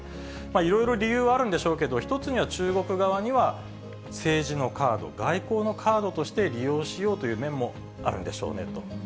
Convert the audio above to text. いろいろ理由はあるんでしょうけど、一つには中国側には、政治のカード、外交のカードとして利用しようという面もあるんでしょうねと。